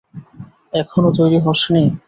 এখনো তৈরি হস নি?